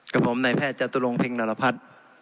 กับผมนายแพทย์ชัตรูรงค์เพ็งนรพัฒน์